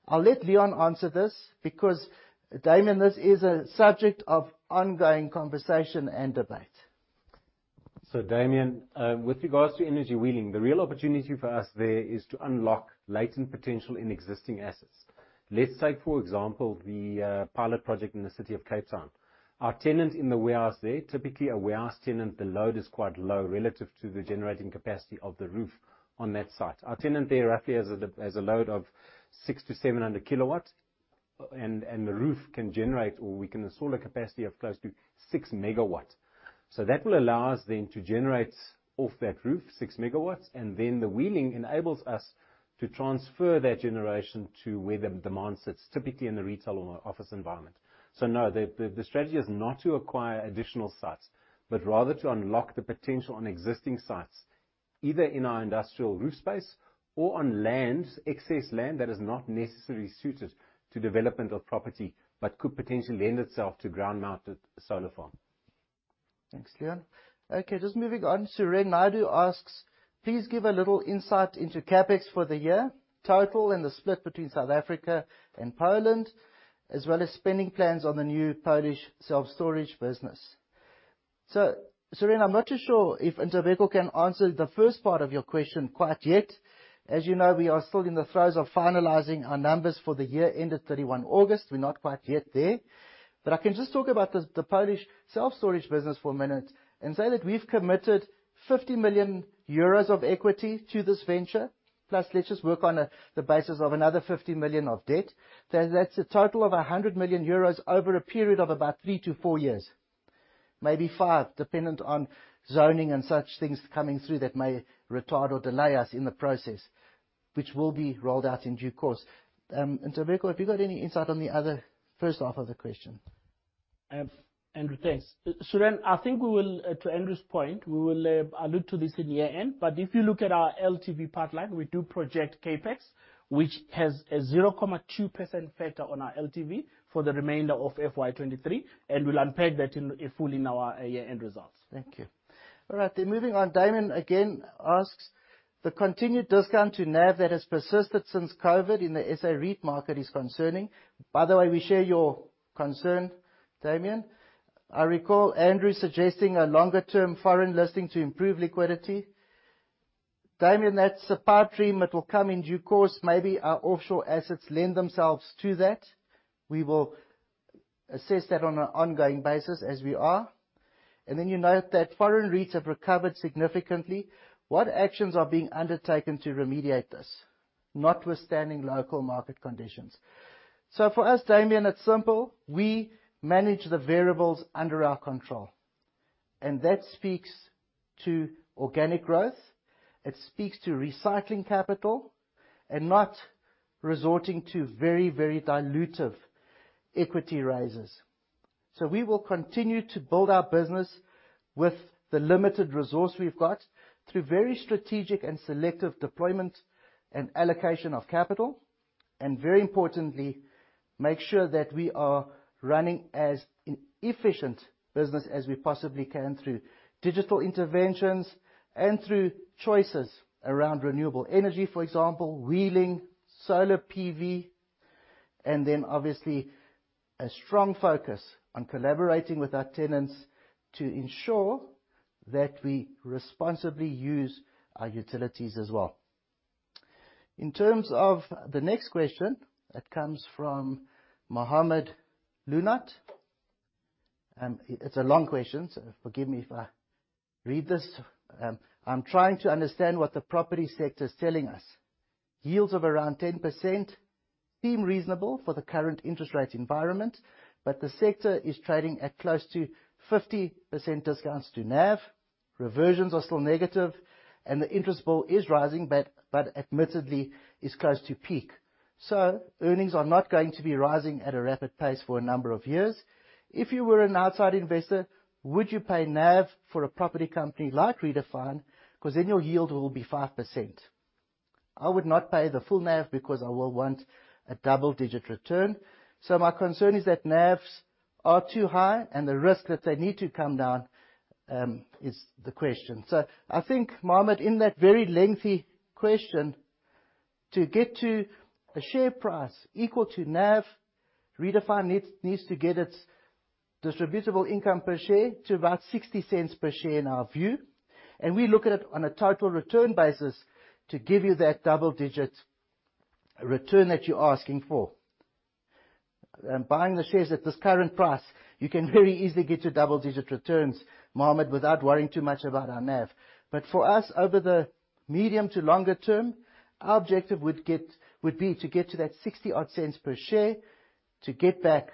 I'll let Leon answer this because, Damian, this is a subject of ongoing conversation and debate. Damian, with regards to energy wheeling, the real opportunity for us there is to unlock latent potential in existing assets. Let's take, for example, the pilot project in the city of Cape Town. Our tenant in the warehouse there, typically a warehouse tenant, the load is quite low relative to the generating capacity of the roof on that site. Our tenant there roughly has a load of [1600] kW, and the roof can generate, or we can install a capacity of close to 6 MW. That will allow us then to generate off that roof 6 MW, and then the wheeling enables us to transfer that generation to where the demand sits, typically in the retail or office environment. No, the strategy is not to acquire additional sites, but rather to unlock the potential on existing sites, either in our industrial roof space or on lands, excess land that is not necessarily suited to development of property, but could potentially lend itself to ground-mounted solar farm. Thanks, Leon. Okay, just moving on. Surain Naidoo asks: Please give a little insight into CapEx for the year, total and the split between South Africa and Poland, as well as spending plans on the new Polish self-storage business. Surain, I'm not too sure if Ntobeko can answer the first part of your question quite yet. As you know, we are still in the throes of finalizing our numbers for the year ended August 31. We're not quite yet there. I can just talk about the Polish self-storage business for a minute and say that we've committed 50 million euros of equity to this venture. Plus, let's just work on the basis of another 50 million of debt. That's a total of 100 million euros over a period of about three-four years, maybe five, dependent on zoning and such things coming through that may retard or delay us in the process, which will be rolled out in due course. Nthabeko, have you got any insight on the other, first half of the question? Andrew, thanks. Surain, I think we will, to Andrew's point, allude to this in the year-end. If you look at our LTV pipeline, we do project CapEx, which has a 0.2% factor on our LTV for the remainder of FY 2023, and we'll unpack that in full in our year-end results. Thank you. All right. Moving on, Damian again asks, "The continued discount to NAV that has persisted since COVID in the SA REIT market is concerning." By the way, we share your concern, Damian. "I recall Andrew suggesting a longer term foreign listing to improve liquidity." Damian, that's a pipe dream that will come in due course. Maybe our offshore assets lend themselves to that. We will assess that on an ongoing basis as we are. You note that foreign REITs have recovered significantly. What actions are being undertaken to remediate this, notwithstanding local market conditions? For us, Damian, it's simple. We manage the variables under our control. That speaks to organic growth, it speaks to recycling capital and not resorting to very, very dilutive equity raises. We will continue to build our business with the limited resource we've got through very strategic and selective deployment and allocation of capital, and very importantly, make sure that we are running as an efficient business as we possibly can through digital interventions and through choices around renewable energy, for example, wheeling, solar PV, and then obviously, a strong focus on collaborating with our tenants to ensure that we responsibly use our utilities as well. In terms of the next question that comes from Mohamed Lunat, it's a long question, so forgive me if I read this. "I'm trying to understand what the property sector is telling us. Yields of around 10% seem reasonable for the current interest rate environment, but the sector is trading at close to 50% discounts to NAV. Reversions are still negative, and the interest bill is rising, but admittedly is close to peak. Earnings are not going to be rising at a rapid pace for a number of years. If you were an outside investor, would you pay NAV for a property company like Redefine? Because then your yield will be 5%. I would not pay the full NAV because I will want a double-digit return. My concern is that NAVs are too high and the risk that they need to come down is the question. I think, Mohamed, in that very lengthy question, to get to a share price equal to NAV, Redefine needs to get its distributable income per share to about 60 cents per share, in our view. We look at it on a total return basis to give you that double-digit return that you're asking for. Buying the shares at this current price, you can very easily get to double-digit returns, Mohamed, without worrying too much about our NAV. For us, over the medium to longer term, our objective would be to get to that 60-odd cents per share to get back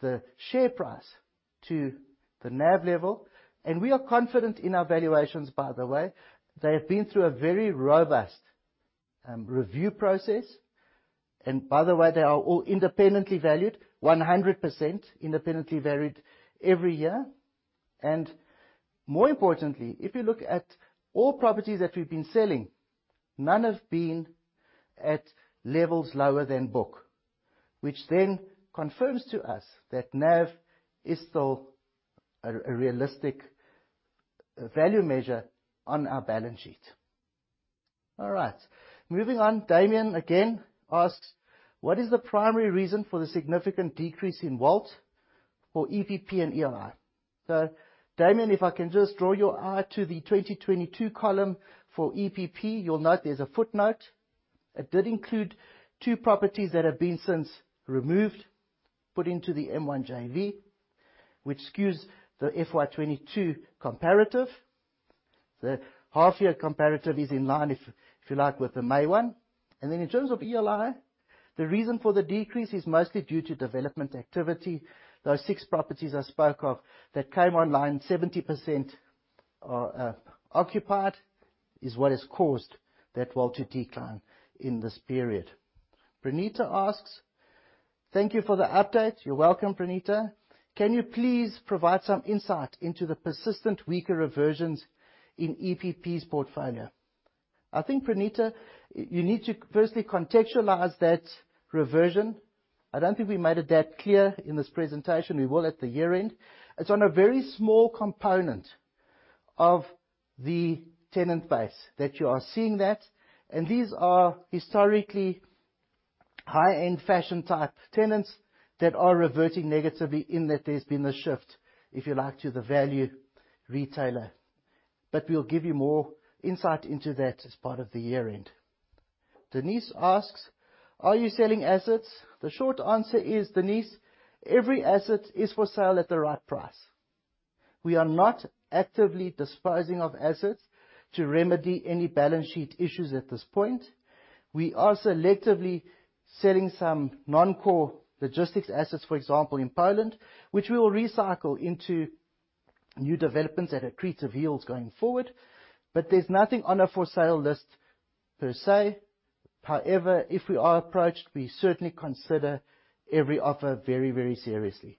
the share price to the NAV level. We are confident in our valuations, by the way. They have been through a very robust review process. By the way, they are all independently valued, 100% independently valued every year. More importantly, if you look at all properties that we've been selling, none have been at levels lower than book, which then confirms to us that NAV is still a realistic value measure on our balance sheet. All right. Moving on, Damian again asks, "What is the primary reason for the significant decrease in WALT for EPP and ELI?" Damian, if I can just draw your eye to the 2022 column. For EPP, you'll note there's a footnote. It did include two properties that have been since removed, put into the M1 JV, which skews the FY 2022 comparative. The half-year comparative is in line, if you like, with the M1. In terms of ELI, the reason for the decrease is mostly due to development activity. Those six properties I spoke of that came online, 70% are occupied, is what has caused that WALT to decline in this period. Pranita asks, "Thank you for the update." You're welcome, Pranita. "Can you please provide some insight into the persistent weaker reversions in EPP's portfolio?" I think, Pranita, you need to firstly contextualize that reversion. I don't think we made it that clear in this presentation. We will at the year-end. It's on a very small component of the tenant base that you are seeing that, and these are historically high-end fashion type tenants that are reverting negatively in that there's been a shift, if you like, to the value retailer. But we'll give you more insight into that as part of the year-end. Denise asks, "Are you selling assets?" The short answer is, Denise, every asset is for sale at the right price. We are not actively disposing of assets to remedy any balance sheet issues at this point. We are selectively selling some non-core logistics assets, for example, in Poland, which we will recycle into new developments at accretive yields going forward. But there's nothing on a for sale list per se. However, if we are approached, we certainly consider every offer very, very seriously,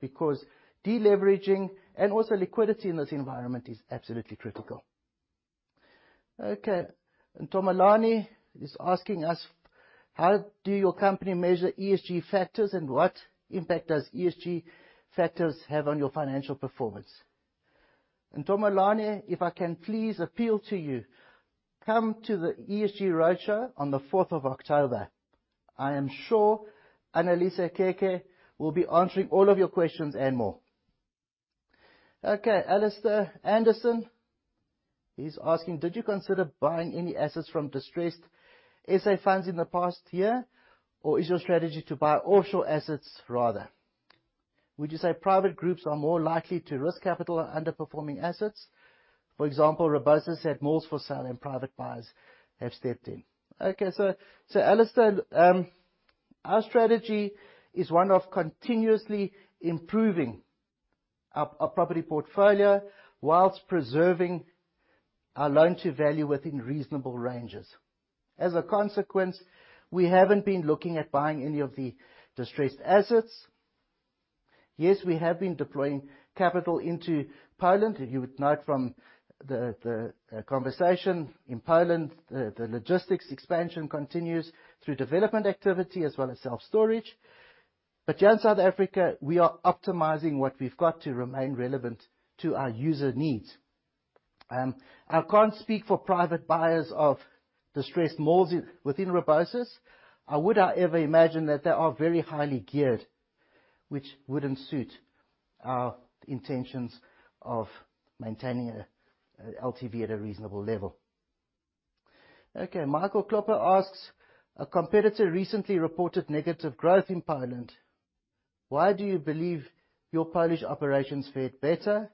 because deleveraging and also liquidity in this environment is absolutely critical. Okay. Tom Olani is asking us: How do your company measure ESG factors, and what impact does ESG factors have on your financial performance? Tom Olani, if I can please appeal to you, come to the ESG roadshow on the October 4th. I am sure Annelize Giliomee will be answering all of your questions and more. Alistair Anderson is asking: Did you consider buying any assets from distressed SA funds in the past year, or is your strategy to buy offshore assets rather? Would you say private groups are more likely to risk capital on underperforming assets? For example, Rebosis has had malls for sale, and private buyers have stepped in. Alistair, our strategy is one of continuously improving our property portfolio while preserving our loan-to-value within reasonable ranges. As a consequence, we haven't been looking at buying any of the distressed assets. Yes, we have been deploying capital into Poland. You would note from the conversation in Poland, the logistics expansion continues through development activity as well as self-storage. But here in South Africa, we are optimizing what we've got to remain relevant to our user needs. I can't speak for private buyers of distressed malls within Rebosis. I would, however, imagine that they are very highly geared, which wouldn't suit our intentions of maintaining a LTV at a reasonable level. Okay, Michael Klöpper asks: A competitor recently reported negative growth in Poland. Why do you believe your Polish operations fared better?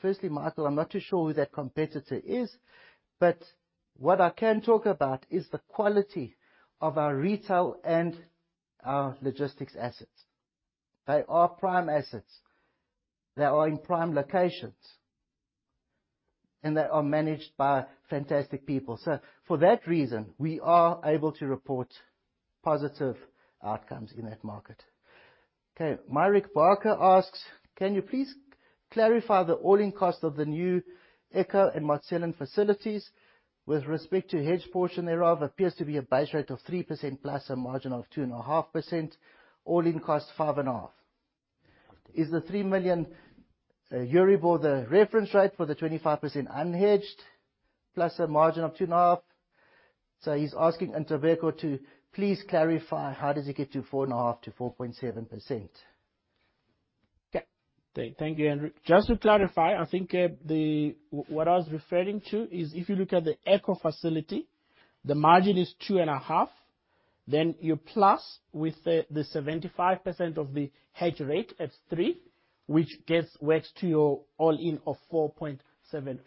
Firstly, Michael, I'm not too sure who that competitor is, but what I can talk about is the quality of our retail and our logistics assets. They are prime assets. They are in prime locations, and they are managed by fantastic people. So for that reason, we are able to report positive outcomes in that market. Myburgh Barker asks: Can you please clarify the all-in cost of the new Echo and Marcelińska facilities with respect to hedged portion thereof appears to be a base rate of 3% plus a margin of 2.5%, all-in cost, 5.5%. Is the three-month EURIBOR the reference rate for the 25% unhedged plus a margin of 2.5%? He's asking Ntobeko to please clarify how does he get to 4.5%-4.7%. Okay. Thank you, Andrew. Just to clarify, I think what I was referring to is if you look at the Echo facility, the margin is 2.5%. Then you plus with the 75% of the hedged rate at 3%, which works to your all-in of 4.75%.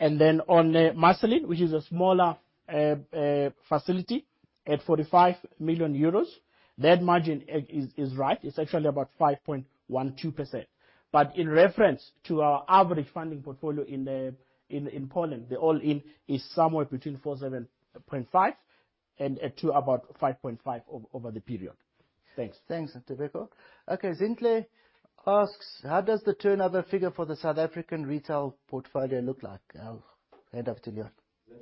Then on Marcelińska, which is a smaller facility at 45 million euros, that margin is right. It's actually about 5.12%. But in reference to our average funding portfolio in Poland, the all-in is somewhere between 4.75% and 5.5% over the period. Thanks. Thanks, Ntobeko. Okay, Zintle asks: How does the turnover figure for the South African retail portfolio look like? I'll hand off to Leon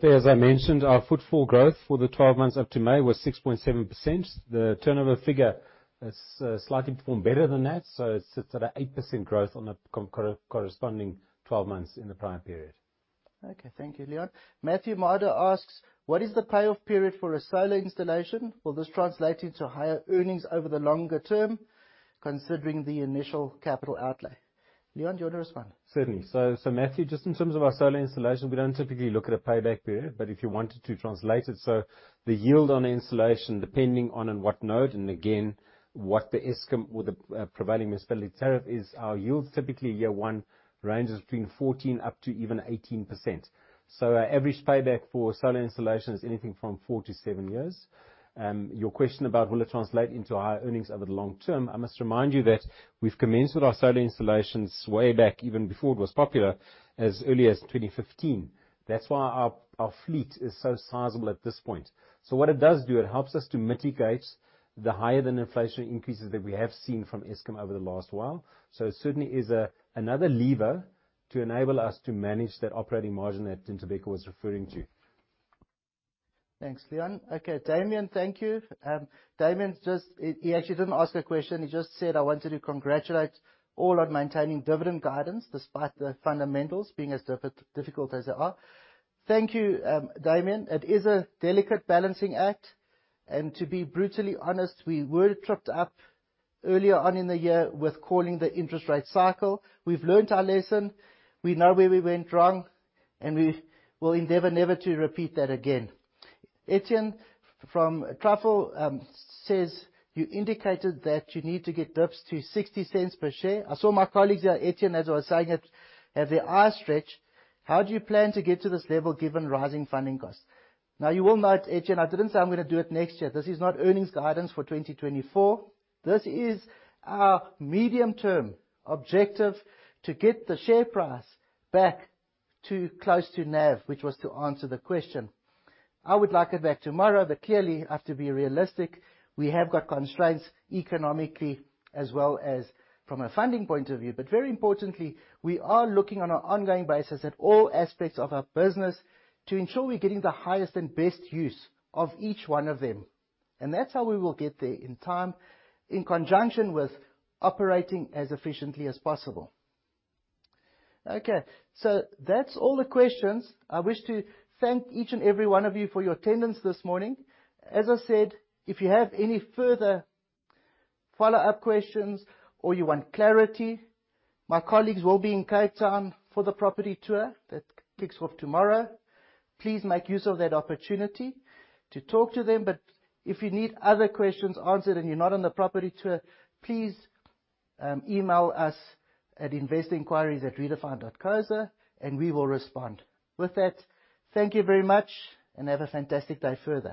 Kok. As I mentioned, our footfall growth for the 12 months up to May was 6.7%. The turnover figure has slightly performed better than that. It sits at 8% growth on a corresponding 12 months in the prior period. Okay, thank you, Leon. Matthew Marder asks: What is the payoff period for a solar installation? Will this translate into higher earnings over the longer term, considering the initial capital outlay? Leon, do you wanna respond? Certainly. Matthew, just in terms of our solar installation, we don't typically look at a payback period, but if you wanted to translate it, the yield on the installation, depending on what node, and again, what the Eskom or the prevailing municipality tariff is, our yield typically year one ranges between 14% up to even 18%. Our average payback for solar installation is anything from four-seven years. Your question about will it translate into higher earnings over the long term, I must remind you that we've commenced with our solar installations way back, even before it was popular, as early as 2015. That's why our fleet is so sizable at this point. What it does, it helps us to mitigate the higher than inflationary increases that we have seen from Eskom over the last while. It certainly is another lever to enable us to manage that operating margin that Ntobeko was referring to. Thanks, Leon. Okay, Damian, thank you. Damian just. He actually didn't ask a question. He just said, "I wanted to congratulate all on maintaining dividend guidance despite the fundamentals being as difficult as they are." Thank you, Damian. It is a delicate balancing act, and to be brutally honest, we were tripped up earlier on in the year with calling the interest rate cycle. We've learned our lesson. We know where we went wrong, and we will endeavor never to repeat that again. Etienne from Truffle says, "You indicated that you need to get DIPs to 0.60 per share." I saw my colleagues there, Etienne, as I was saying it, have their eyes stretched. "How do you plan to get to this level given rising funding costs?" Now, you will note, Etienne, I didn't say I'm gonna do it next year. This is not earnings guidance for 2024. This is our medium-term objective to get the share price back to close to NAV, which was to answer the question. I would like it back tomorrow, but clearly, I have to be realistic. We have got constraints economically as well as from a funding point of view. Very importantly, we are looking on an ongoing basis at all aspects of our business to ensure we're getting the highest and best use of each one of them. That's how we will get there in time, in conjunction with operating as efficiently as possible. Okay, so that's all the questions. I wish to thank each and every one of you for your attendance this morning. As I said, if you have any further follow-up questions or you want clarity, my colleagues will be in Cape Town for the property tour. That kicks off tomorrow. Please make use of that opportunity to talk to them. If you need other questions answered and you're not on the property tour, please, email us at investorenquiries@redefine.co.za, and we will respond. With that, thank you very much, and have a fantastic day further.